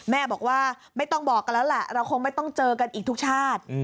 แม่บอกว่าไม่ต้องบอกกันแล้วแหละเราคงไม่ต้องเจอกันอีกทุกชาติ